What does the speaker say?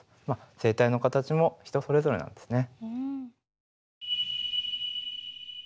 声帯の形も人それぞれなんですね。